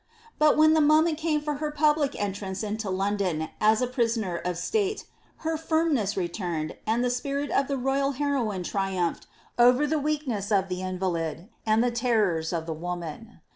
But when the moment came for her public entrance into London as a prisoner of state, her firmness returned, and the spirit of lie royal heroine triumphed over the weakness of the invalid and the terrois oi the woman.